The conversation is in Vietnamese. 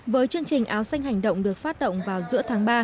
với chương trình áo xanh hành động được phát động vào giữa tháng ba